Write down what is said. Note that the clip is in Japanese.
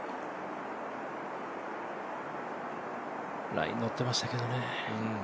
ライに乗ってましたけどね。